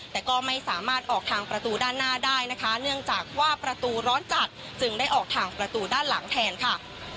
แต่ก็ไม่สามารถออกทางประตูด้านหน้าได้นะคะเนื่องจากว่าประตูร้อนจัดจึงได้ออกทางประตูด้านหลังแทนค่ะ